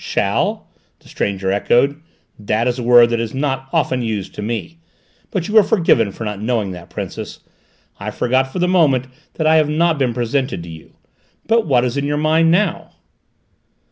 "Shall?" the stranger echoed. "That is a word that is not often used to me. But you are forgiven for not knowing that, Princess. I forgot for the moment that I have not been presented to you. But what is in your mind now?"